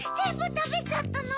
たべちゃったの？